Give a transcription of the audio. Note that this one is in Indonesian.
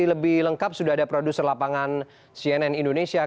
lebih lengkap sudah ada produser lapangan cnn indonesia